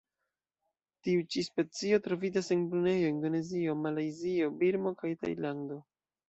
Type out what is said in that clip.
Tiu ĉi specio troviĝas en Brunejo, Indonezio, Malajzio, Birmo kaj Tajlando.